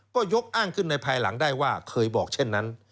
ก็ยกอ้างขึ้นในภายหลังได้ว่าเคยบอกเช่นนั้น